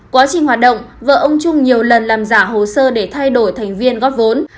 quá trình hoạt động vợ ông trung nhiều lần làm giả hồ sơ để thay đổi thành viên góp vốn